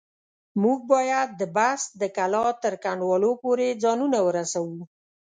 موږ بايد د بست د کلا تر کنډوالو پورې ځانونه ورسوو.